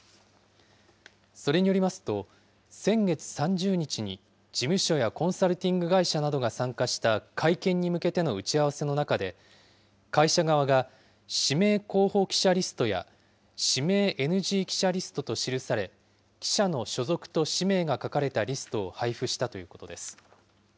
それによりますと、先月３０日に、事務所やコンサルティング会社などが参加した会見に向けての打ち合わせの中で、会社側が、指名候補記者リストや、指名ＮＧ記者リストと記され、記者の所属と氏名が書かれたリストを配布したということです。